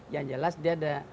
yang jelas dia ada